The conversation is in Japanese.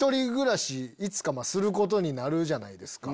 いつかすることになるじゃないですか。